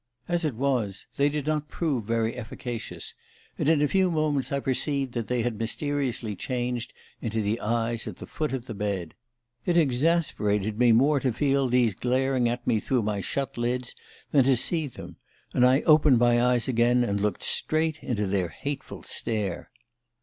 As it was, they did not prove very efficacious, and in a few moments I perceived that they had mysteriously changed into the eyes at the foot of the bed. It exasperated me more to feel these glaring at me through my shut lids than to see them, and I opened my eyes again and looked straight into their hateful stare